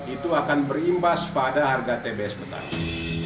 itu akan berimbas pada harga tbs petani